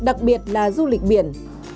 đặc biệt là du lịch biển